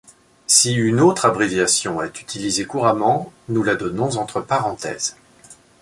Si une autre abréviation est utilisée couramment, nous la donnons entre parenthèses.